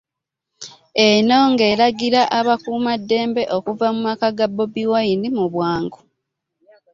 Eno ng'eragira abakuumaddembe okuva mu maka ga Bobi Wine mu bwangu